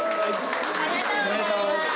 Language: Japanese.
ありがとうございます。